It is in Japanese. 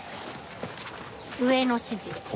上の指示で。